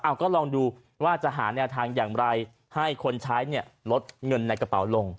เอาก็ลองดูว่าจะหาแนวทางอย่างไรให้คนใช้เนี่ยลดเงินในกระเป๋าลง